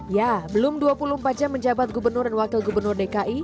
ya belum dua puluh empat jam menjabat gubernur dan wakil gubernur dki